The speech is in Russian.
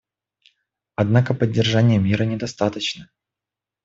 Однако поддержания мира недостаточно.